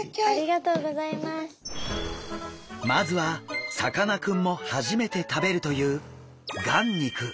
まずはさかなクンも初めて食べるという眼肉。